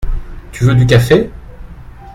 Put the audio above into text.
Tu veux du café ?